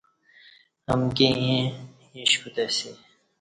امکی ایں ایݩش کوتاسی